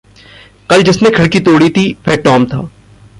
कल जिसने खिड़की तोड़ी थी वह टॉम था।